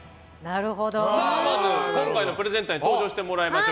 まず今回のプレゼンターに登場してもらいましょう。